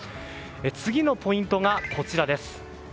次のポイントがこちらです。